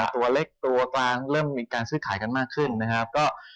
ตัวเล็กตัวกลางเริ่มมีการซื้อขายกันมากขึ้นนะครับ